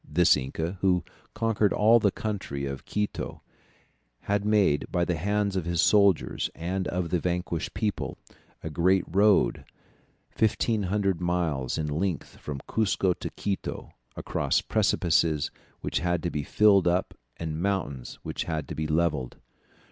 This inca, who conquered all the country of Quito, had made, by the hands of his soldiers and of the vanquished people, a great road 1500 miles in length from Cuzco to Quito, across precipices which had been filled up and mountains which had been levelled.